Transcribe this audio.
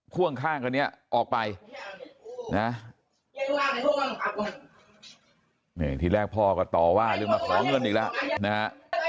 พ่วงข้างคนนี้ออกไปนะนี่ทีแรกพ่อก็ต่อว่าหรือมาขอเงินอีกแล้วนะฮะ